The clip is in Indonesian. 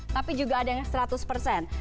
tapi juga ada yang seratus persen